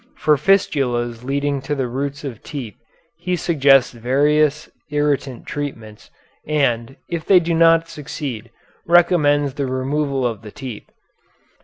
For fistulas leading to the roots of teeth he suggests various irritant treatments, and, if they do not succeed, recommends the removal of the teeth.